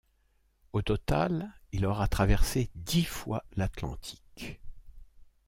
Au total il aura traversé dix fois l'Atlantique.